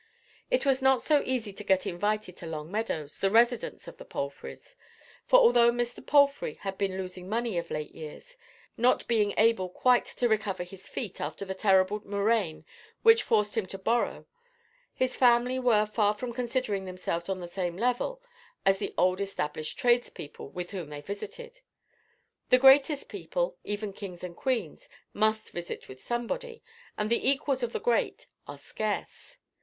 It was not so easy to get invited to Long Meadows, the residence of the Palfreys; for though Mr. Palfrey had been losing money of late years, not being able quite to recover his feet after the terrible murrain which forced him to borrow, his family were far from considering themselves on the same level even as the old established tradespeople with whom they visited. The greatest people, even kings and queens, must visit with somebody, and the equals of the great are scarce.